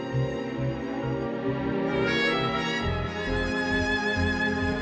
aku akan gunakan waktu ini